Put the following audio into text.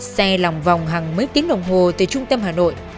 xe lòng vòng hàng mấy tiếng đồng hồ từ trung tâm hà nội